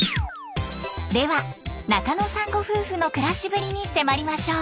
では中野さんご夫婦の暮らしぶりに迫りましょう。